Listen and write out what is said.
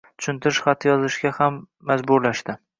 tushuntirish xati yozishga ham majburlashdi.